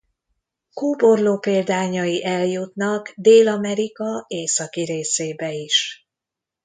Kóborló példányai eljutnak Dél-Amerika északi részébe is.